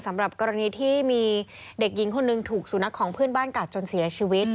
สำหรับกรณีที่มีเด็กหญิงคนหนึ่งถูกสุนัขของเพื่อนบ้านกัดจนเสียชีวิต